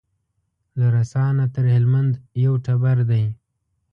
له رسا نه تر هلمند یو ټبر دی